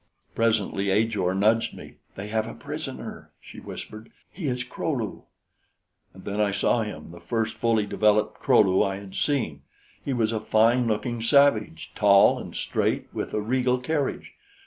Presently Ajor nudged me. "They have a prisoner," she whispered. "He is a Kro lu." And then I saw him, the first fully developed Kro lu I had seen. He was a fine looking savage, tall and straight with a regal carriage.